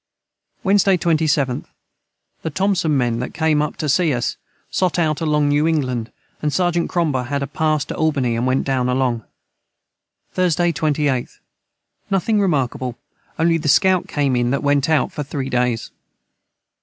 Wednesday 27th. The Thompson men that came up to see us sot out for newingland and sergent Cromba had a pass to Albany & went down along. Thursday 28th. Nothing remarkable only the scout came in that went out for 3 days.